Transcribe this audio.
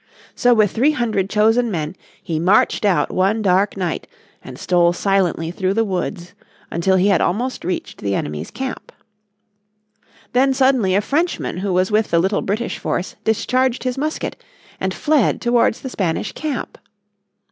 So with three hundred chosen men he marched out one dark night, and stole silently through the woods until he had almost reached the enemy's camp. Then suddenly a Frenchman who was with the little British force discharged his musket, and fled towards the Spanish camp.